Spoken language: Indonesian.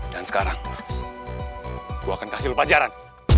dan sekarang gua akan kasih lu pajaran